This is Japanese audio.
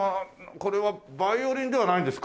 これはバイオリンではないんですか？